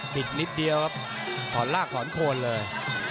นิดเดียวครับถอนลากถอนโคนเลย